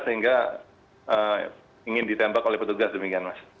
sehingga ingin ditembak oleh petugas demikian mas